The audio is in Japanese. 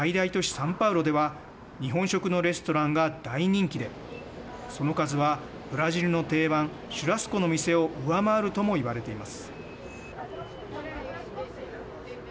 サンパウロでは日本食のレストランが大人気でその数はブラジルの定番シュラスコの店を上回るとも言われています。